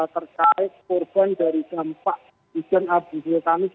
terkait kurban dari dampak hujan abu vulkanis